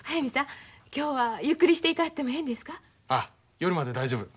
夜まで大丈夫。